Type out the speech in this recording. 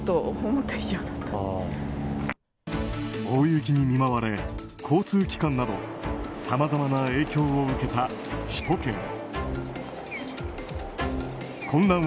大雪に見舞われ、交通機関などさまざまな影響を受けた首都圏。